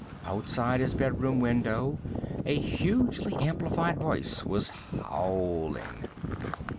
Outside his bedroom window, a hugely amplified voice was howling.